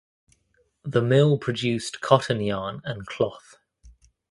The mill produced cotton yarn and cloth.